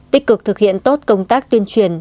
tích cực thực hiện tốt công tác tuyên truyền